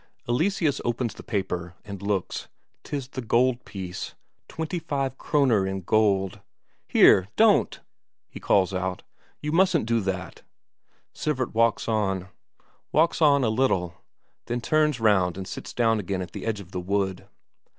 Eleseus opens the paper and looks; 'tis the gold piece, twenty five Kroner in gold. "Here, don't!" he calls out. "You mustn't do that!" Sivert walks on. Walks on a little, then turns round and sits down again at the edge of the wood.